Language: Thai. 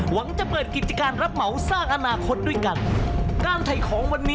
หวังจะเปิดกิจการรับเมาสร้างอนาคตด้วยกัน